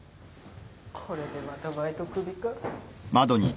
これでまたバイト首か。